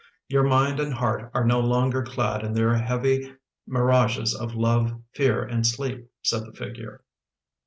" Your mind and heart are no longer clad in their heavy mirages of love, fear, and sleep," said the figure.